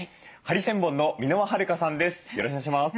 ハリセンボンの箕輪はるかさんです。